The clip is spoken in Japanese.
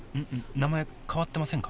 名前変わってませんか？